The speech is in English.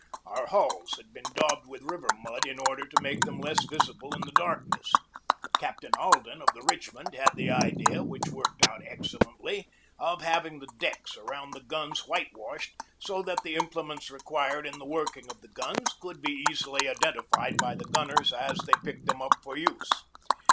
Our hulls had been daubed with river mud in order to make them less visible in the darkness. Captain Alden, of the Rich mond, had the idea, which worked out excellently, of having the decks around the guns whitewashed so that the implements required in the working of the guns could be easily identified by the gunners as they picked them up for use.